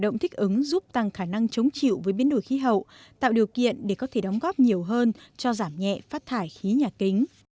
động thích ứng giúp tăng khả năng chống chịu với biến đổi khí hậu tạo điều kiện để có thể đóng góp nhiều hơn cho giảm nhẹ phát thải khí nhà kính